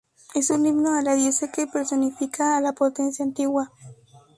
Es un himno a la diosa que personifica a la potencia antigua.